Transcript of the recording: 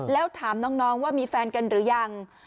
แล้วถามน้องว่ามีแฟนกันหรือยัง